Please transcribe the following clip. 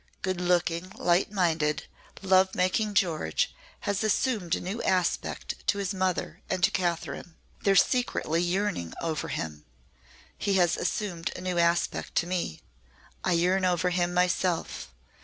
Good looking, light minded, love making George has assumed a new aspect to his mother and to Kathryn. They're secretly yearning over him. He has assumed a new aspect to me. I yearn over him myself.